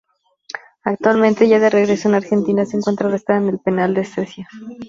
Actualmente ya de regreso en Argentina se encuentra arrestado en el Penal de Ezeiza.